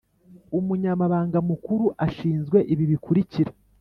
Umunyamabanga Mukuru ashinzwe ibi bikurikira: